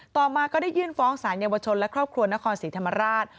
ต่อมาก็ได้ยื่นฟ้องสารเยาวชนและครอบครัวนครศรีธรรมราช